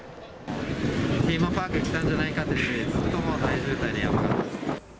テーマパークに来たんじゃないかってぐらい、ずっともう大渋滞でやばかったです。